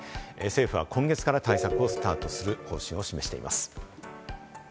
政府は今月から対策をスタートする方針を示しています。